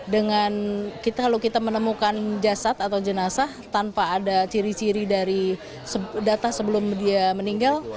dengan kalau kita menemukan jasad atau jenazah tanpa ada ciri ciri dari data sebelum dia meninggal